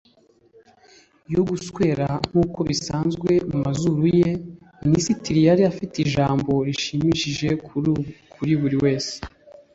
yo guswera nkuko bisanzwe mumazuru ye. minisitiri yari afite ijambo rishimishije kuri buri wese